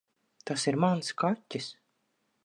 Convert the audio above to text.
Tas ir mans kaķis.